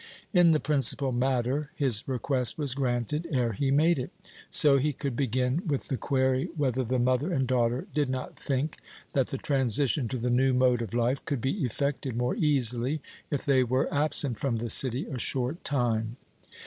In the principal matter his request was granted ere he made it. So he could begin with the query whether the mother and daughter did not think that the transition to the new mode of life could be effected more easily if they were absent from the city a short time.